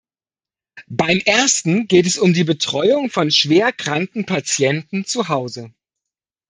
Beim ersten geht es um die Betreuung von schwer kranken Patienten zu Hause.